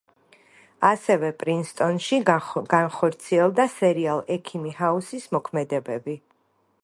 ასევე, პრინსტონში განხორციელდა სერიალ „ექიმი ჰაუსის“ მოქმედებები.